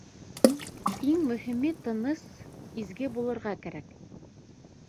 Иң мөһиме тыныс, изге булырға кәрәк.